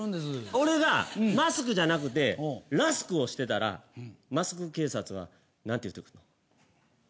俺がマスクじゃなくてラスクをしてたらマスク警察は何て言ってくると思う？